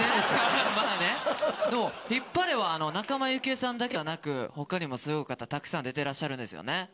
でもヒッパレは仲間由紀恵さんだけではなく、ほかにもすごい方、たくさん出てらっしゃるんですよね。